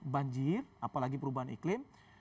banjir apalagi perubahan iklim